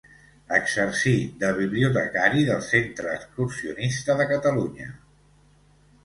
Exercí de bibliotecari del Centre Excursionista de Catalunya.